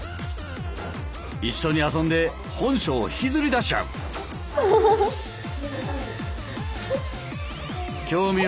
一緒に遊んで本性を引きずり出しちゃう。